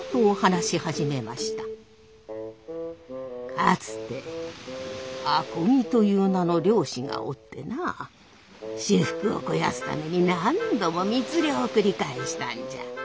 「かつて阿漕という名の漁師がおってな私腹を肥やすために何度も密漁を繰り返したんじゃ。